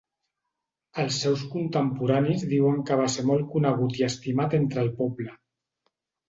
Els seus contemporanis diuen que va ser molt conegut i estimat entre el poble.